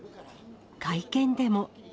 会見でも。